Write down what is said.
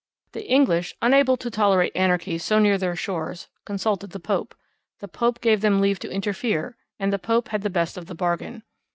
The English, unable to tolerate anarchy so near their shores, 'consulted the Pope. The Pope gave them leave to interfere, and the Pope had the best of the bargain.